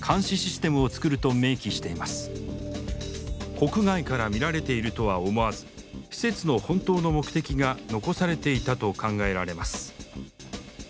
国外から見られているとは思わず施設の本当の目的が残されていたと考えられます。